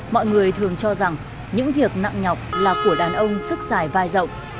mọi người thường cho rằng những việc nặng nhọc là của đàn ông sức dài vai rộng